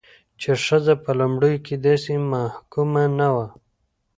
چې ښځه په لومړيو کې داسې محکومه نه وه،